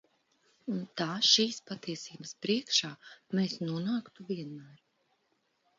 Un tā šīs patiesības priekšā mēs nonāktu vienmēr.